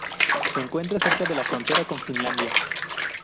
Se encuentra cerca de la frontera con Finlandia.